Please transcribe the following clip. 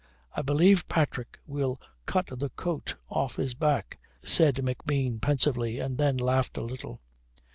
"I believe Patrick will cut the coat off his back," said McBean pensively and then laughed a little.